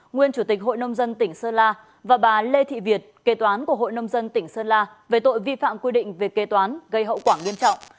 nguyên chủ tịch hội nông dân tỉnh sơn la và bà lê thị việt kê toán của hội nông dân tỉnh sơn la về tội vi phạm quy định về kế toán gây hậu quả nghiêm trọng